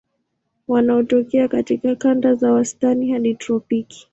Wanatokea katika kanda za wastani hadi tropiki.